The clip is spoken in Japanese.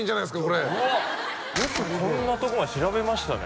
これよくこんなとこまで調べましたね